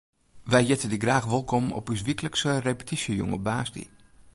Wy hjitte dy graach wolkom op ús wyklikse repetysjejûn op woansdei.